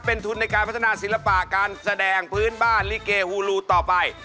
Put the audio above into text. เป็นทุนในการพัฒนาศิลปะการแสดงพื้นบ้านลิเกฮูลูต่อไป